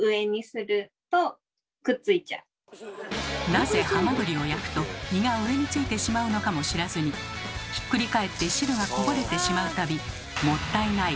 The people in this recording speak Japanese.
なぜハマグリを焼くと身が上についてしまうのかも知らずにひっくり返って汁がこぼれてしまう度「もったいない！！」